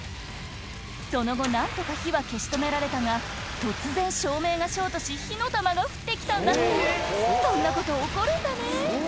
その後何とか火は消し止められたが突然照明がショートし火の玉が降って来たんだってそんなこと起こるんだね